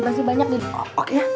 masih banyak nih